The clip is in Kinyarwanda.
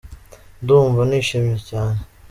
Ndumva nishimye cyane.